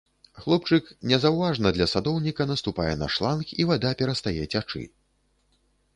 Хлопчык незаўважна для садоўніка наступае на шланг, і вада перастае цячы.